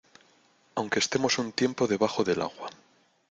aunque estemos un tiempo debajo del agua